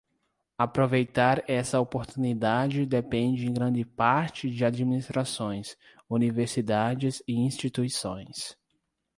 Aproveitar essa oportunidade depende em grande parte de administrações, universidades e instituições.